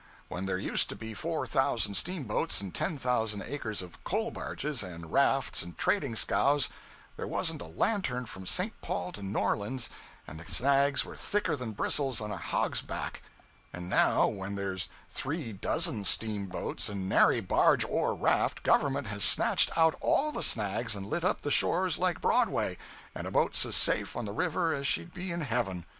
When there used to be four thousand steamboats and ten thousand acres of coal barges, and rafts and trading scows, there wasn't a lantern from St. Paul to New Orleans, and the snags were thicker than bristles on a hog's back; and now when there's three dozen steamboats and nary barge or raft, Government has snatched out all the snags, and lit up the shores like Broadway, and a boat's as safe on the river as she'd be in heaven.